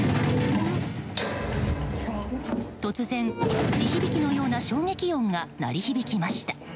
突然、地響きのような衝撃音が鳴り響きました。